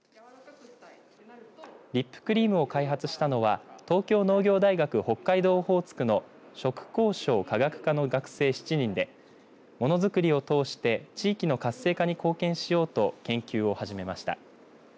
リップクリームを開発したのは東京農業大学北海道オホーツクの食香粧化学科の学生７人でものづくりを通して地域の活性化に貢献しようと研究を始めました。